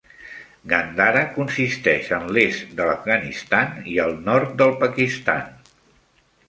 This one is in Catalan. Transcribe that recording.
Gandhara consisteix en l'est de l'Afganistan i el nord del Pakistan.